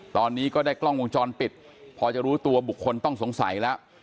ตอนนี้ก็ได้กล้องวงจรปิดพอจะรู้ตัวบุคคลต้องสงสัยแล้ว